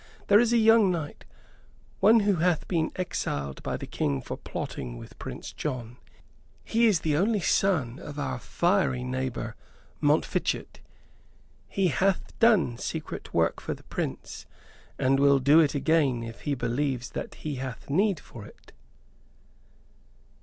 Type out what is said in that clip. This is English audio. "There is a young knight, one who hath been exiled by the King for plotting with Prince John. He is the only son of our fiery neighbor Montfichet. He hath done secret work for the Prince, and will do it again if he believes that he hath need for it."